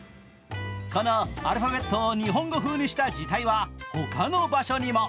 このアルファベットを日本語風にした字体はほかの場所にも。